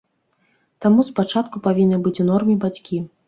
Таму спачатку павінны быць у норме бацькі.